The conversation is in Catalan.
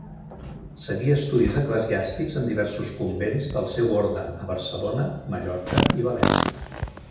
Seguí estudis eclesiàstics en diversos convents del seu orde a Barcelona, Mallorca i València.